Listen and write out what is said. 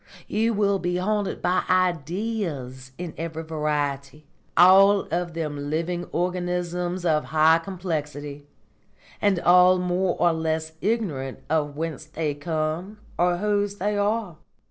You will be haunted by Ideas in every variety, all of them living organisms of high complexity, and all more or less ignorant of whence they come or whose they are.